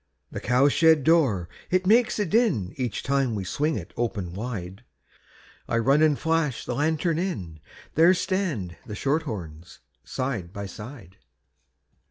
The cow shed door, it makes a din Each time we swing it open wide; I run an' flash the lantern in, There stand the shorthorns side by side.